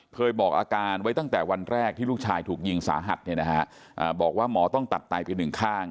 บอกอาการไว้ตั้งแต่วันแรกที่ลูกชายถูกยิงสาหัสเนี่ยนะฮะบอกว่าหมอต้องตัดไตไปหนึ่งข้าง